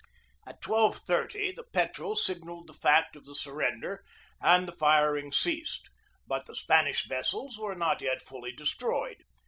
At 12.30 the Petrel signalled the fact of the sur render, and the firing ceased. But the Spanish ves sels were not yet fully destroyed.